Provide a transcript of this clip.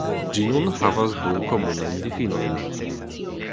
Ĝi nun havas du komunajn difinojn.